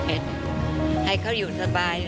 อันดับ๖๓๕จัดใช้วิจิตร